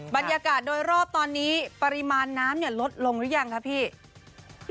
บรรยากาศโดยรอบตอนนี้ปริมาณน้ำลดลงหรือยังคะพี่